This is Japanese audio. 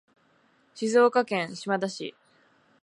静岡県島田市